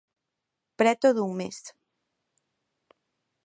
Preto dun mes.